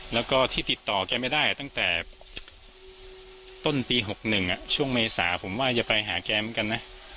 แล้วก็ที่ติดต่อแกไม่ได้ตั้งแต่ต้นปี๖๑ช่วงเมษาผมว่าจะไปหาแกเหมือนกันนะ